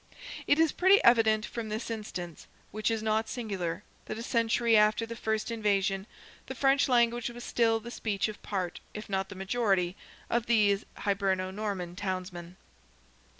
It is pretty evident from this instance, which is not singular, that a century after the first invasion, the French language was still the speech of part, if not the majority, of these Hiberno Norman townsmen.